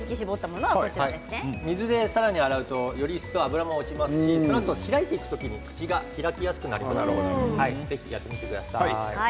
水でさらに洗うとより一層油も落ちますし開いていく時に口が開けやすくなりますのでやってください。